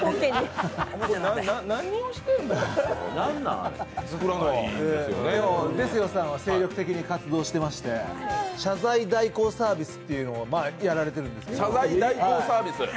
何をしてんの？ですよさんは積極的に活動されてまして謝罪代行サービスというのをやられてるんですよ。